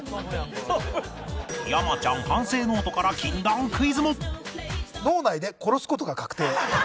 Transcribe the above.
山ちゃん反省ノートから禁断クイズも！